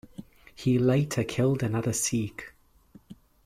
He later killed another Sikh.